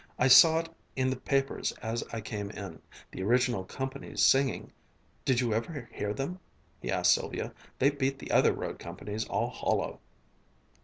I saw it in the papers as I came in. The original company's singing. Did you ever hear them?" he asked Sylvia. "They beat the other road companies all hollow."